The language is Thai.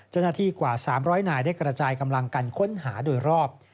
กว่า๓๐๐นายได้กระจายกำลังกันค้นหาโดยรอบ